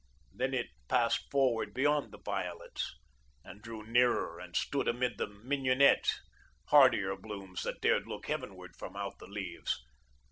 Then it passed forward beyond the violets, and drew nearer and stood amid the mignonette, hardier blooms that dared look heavenward from out the leaves.